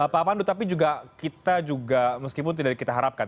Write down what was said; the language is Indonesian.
pak pandu tapi juga kita juga meskipun tidak kita harapkan